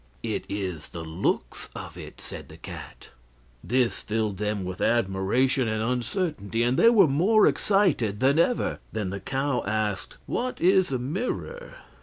"It is the looks of it," said the cat. This filled them with admiration and uncertainty, and they were more excited than ever. Then the cow asked: "What is a mirror?"